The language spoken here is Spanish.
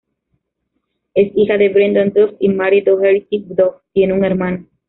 Es hija de Brendan Duff y Mary Doherty-Duff, tiene un hermano.